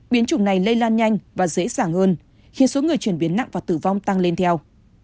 biến chủng này lây lan nhanh và dễ dàng hơn khi số người chuyển biến nặng và tử vong tăng lên theo